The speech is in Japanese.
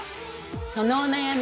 そのお悩み